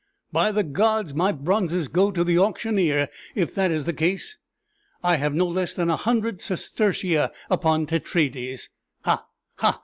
"By the gods! my bronzes go to the auctioneer if that is the case. I have no less than a hundred sestertia upon Tetraides. Ha, ha!